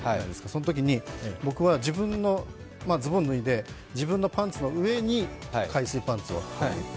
そのときに、自分のズボンを脱いで自分のズボンの上に海水パンツを。